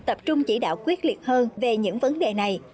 tập trung chỉ đạo quyết liệt hơn về những vấn đề này